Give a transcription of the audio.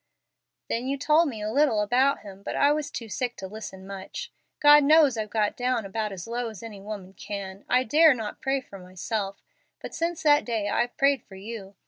Then you told me a little about Him, but I was too sick to listen much. God knows I've got down about as low as any woman can. I dare not pray for myself, but since that day I've prayed for you.